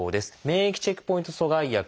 免疫チェックポイント阻害薬